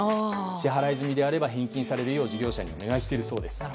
支払い済みであれば返金するよう事業者にお願いしているそうです。